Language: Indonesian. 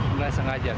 enggak sengaja pak